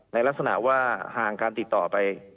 ในลักษณะว่าห่างการติดต่อไป